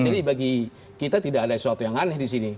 jadi bagi kita tidak ada sesuatu yang aneh di sini